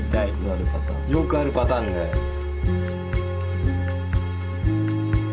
よくあるパターンだよ。